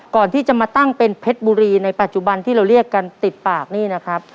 ก่อนที่จะมาตั้งเป็นเพชรบุรีในปัจจุบันที่เราเรียกกันติดปากนี่นะครับ